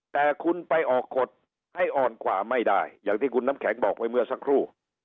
แต่คุณไปออกกฎให้อ่อนกว่าไม่ได้อย่างที่คุณน้ำแข็งบอกไปเมื่อสักครู่